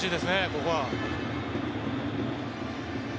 ここは。